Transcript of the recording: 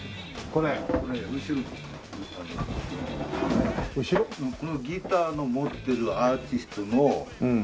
このギターの持ってるアーティストの。